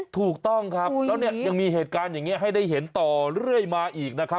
ถูกต้องครับแล้วเนี่ยยังมีเหตุการณ์อย่างนี้ให้ได้เห็นต่อเรื่อยมาอีกนะครับ